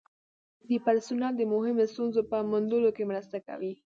د پرسونل د مهمو ستونزو په موندلو کې مرسته کوي.